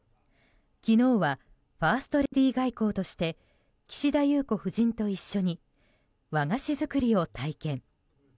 昨日はファーストレディー外交として岸田裕子夫人と一緒に和菓子作りを体験。